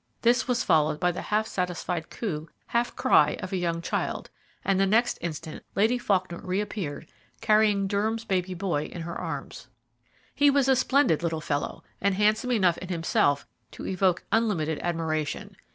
This was followed by the satisfied half coo, half cry, of a young child, and the next instant Lady Faulkner reappeared, carrying Durham's baby boy in her arms. He was a splendid little fellow, and handsome enough in himself to evoke unlimited admiration.